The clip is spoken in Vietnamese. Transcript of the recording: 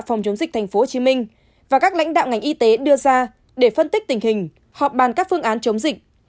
phòng chống dịch tp hcm và các lãnh đạo ngành y tế đưa ra để phân tích tình hình họp bàn các phương án chống dịch